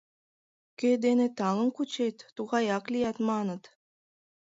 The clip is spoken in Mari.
Кӧ дене таҥым кучет, тугаяк лият, маныт.